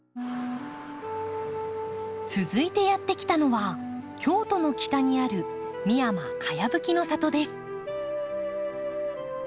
続いてやって来たのは京都の北にある３９棟のかやぶき